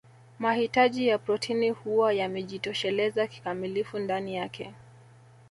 Mahitaji ya protini huwa yamejitosheleza kikamilifu ndani yake